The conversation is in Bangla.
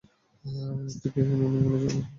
তুই কি এখন অন্য মহিলার স্বামীর পিছনে লেগেছিস?